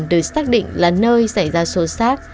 tỉnh nghệ an đã xác định là nơi xảy ra xô xác